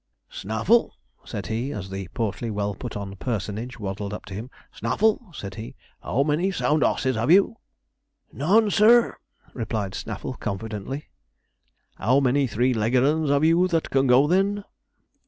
'Snaffle,' said he, as the portly, well put on personage waddled up to him; 'Snaffle,' said he, 'how many sound 'osses have you?' 'None, sir,' replied Snaffle confidently. 'How many three legged 'uns have you that can go, then?'